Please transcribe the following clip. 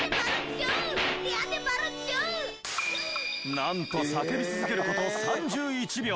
なんと叫び続ける事３１秒。